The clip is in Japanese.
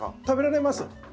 食べられます。